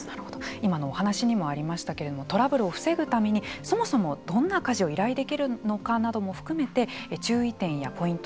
今のお話にもありましたけれどもトラブルを防ぐためにそもそもどんな家事を依頼できるのかなども含めて注意点やポイント